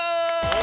お！